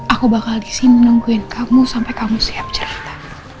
aku bakal disini menungguin kamu sampai kamu siap cerita